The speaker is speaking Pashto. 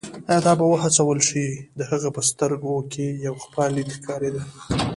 ایا دا به وهڅول شي، د هغې په سترګو کې یو خپه لید ښکارېده.